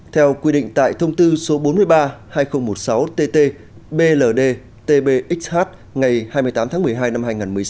theo quy định tại thông tư số bốn mươi ba hai nghìn một mươi sáu tt bld tbxh ngày hai mươi tám tháng một mươi hai năm hai nghìn một mươi sáu